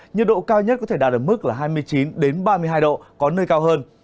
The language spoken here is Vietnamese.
nhiệt độ cao nhất có thể đạt ở mức hai mươi chín ba mươi hai độ có nơi cao hơn